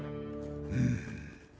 うん。